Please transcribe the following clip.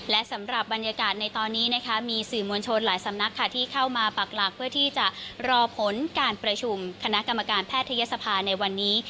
และสำหรับบรรยากาศในตอนนี้นะคะมีสื่อมวลชนหลายสำนักค่ะที่เข้ามาปักหลักเพื่อที่จะรอผลการประชุมคณะกรรมการแพทยศภาในวันนี้